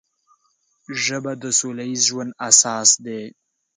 ژبه د سوله ییز ژوند اساس ده